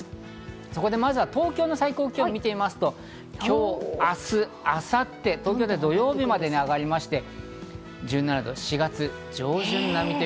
そこでまずは東京の最高気温を見てみますと、今日、明日、明後日、東京では土曜日まで上がりまして、１７度、４月上旬並み。